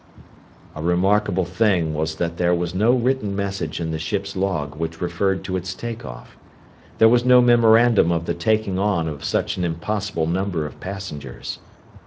A remarkable thing was that there was no written message in the ship's log which referred to its takeoff. There was no memorandum of the taking on of such an impossible number of passengers.